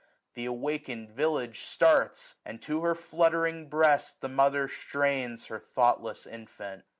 Th* awaken'd village starts ; And to her fluttering breast the mother strains Her thoughtless infant.